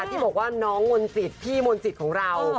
ที่บอกว่าน้องมนติศพี่มนติศของเรา